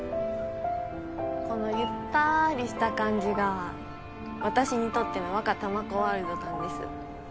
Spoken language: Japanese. このゆったりした感じが私にとってのワカタマコワールドなんです。